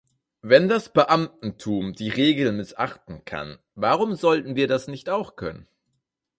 Wenn das Beamtentum die Regeln missachten kann, warum sollten wir das nicht auch können?